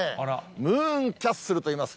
ムーン・キャッスルといいます。